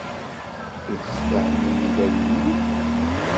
I tesfehmem-d ayenni?